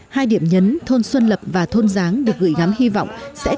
hai điểm nhấn thôn xuân lập và thôn giáng